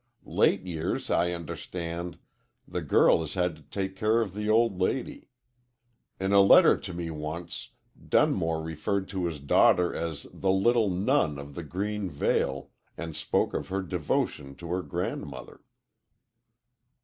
"Late years, I understand, the girl has had to take care of the old lady. In a letter to me once Dunmore referred to his daughter as the 'little nun of the green veil,' and spoke of her devotion to her grandmother."